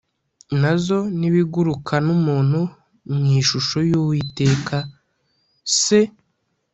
na zo -n’ibiguruka n’umuntu mw’ishusho - y’uwiteka se.